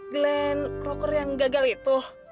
glenn rocker yang gagal itu